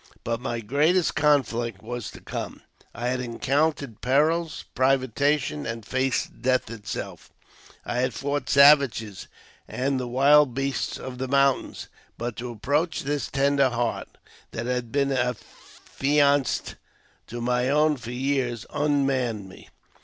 But my greatest conflict was to come. I had encountered perils, privation, and faced death itself ; I had fought savagea and the wild beasts of the mountains ; but to approach this, tender heart, that had been affianced to my own for years, unmanned me.